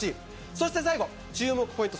そして最後注目ポイント